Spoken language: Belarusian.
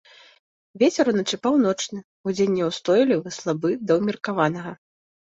Вецер уначы паўночны, удзень няўстойлівы слабы да ўмеркаванага.